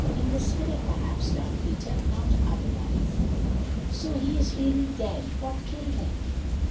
"In the spirit, perhaps, Don Peter, not otherwise." "So he is really dead? What killed him?"